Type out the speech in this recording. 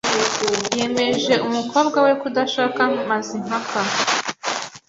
Yemeje umukobwa we kudashaka Mazimpaka.